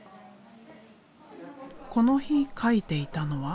この日描いていたのは。